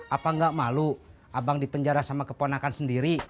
apa nggak malu abang dipenjara sama keponakan sendiri